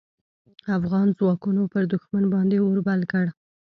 افغان ځواکونو پر دوښمن باندې اور بل کړ.